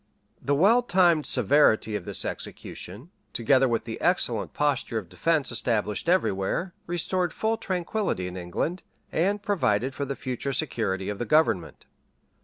The well timed severity of this execution, together with the excellent posture of defence established every where, restored full tranquillity in England, and provided for the future security of the government.